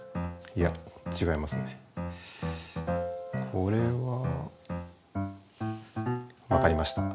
これは。わかりました。